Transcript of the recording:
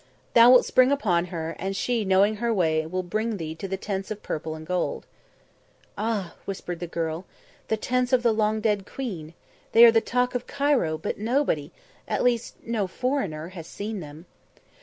Thou wilt spring upon her, and she, knowing her way, will bring thee to the Tents of Purple and Gold." "Ah!" whispered the girl. "The Tents of the long dead Queen! They are the talk of Cairo, but nobody at least, no foreigner has seen them."